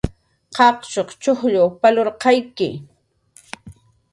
Qaqchuq chujll palarqayki